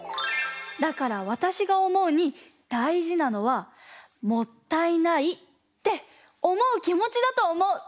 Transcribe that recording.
だからわたしがおもうにだいじなのはもったいないっておもうきもちだとおもう。